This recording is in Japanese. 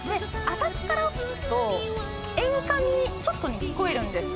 私からすると演歌にちょっときこえるんです